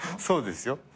そうですよ。